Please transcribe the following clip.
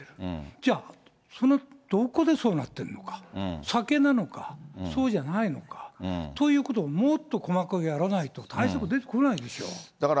じゃあ、どこでそうなってるのか、酒なのか、そうじゃないのかということをもっと細かくやらないと、対策出てこないでしょうだから。